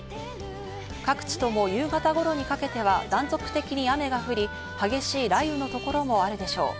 各地とも、夕方頃にかけては断続的に雨が降り、激しい雷雨の所もあるでしょう。